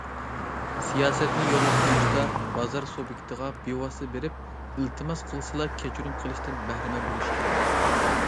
سىياسەتنى يولغا قويۇشتا بازار سۇبيېكتىغا بىۋاسىتە بېرىپ، ئىلتىماس قىلسىلا كەچۈرۈم قىلىشتىن بەھرىمەن بولۇش كېرەك.